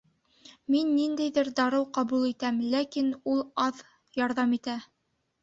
Мин ниндәйҙер дарыу ҡабул итәм, ләкин ул аҙ ярҙам итә